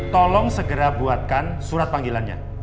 tolong segera buatkan surat panggilannya